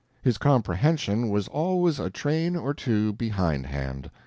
His comprehension was always a train or two behindhand.